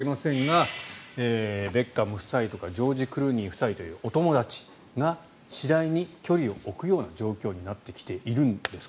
こうした本の状況もあってかどうかはわかりませんがベッカム夫妻とかジョージ・クルーニー夫妻というお友達が次第に距離を置くようになってきているんですか？